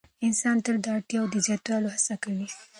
انسان تل د اړتیاوو د زیاتوالي هڅه کوي.